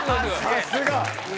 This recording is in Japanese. さすが！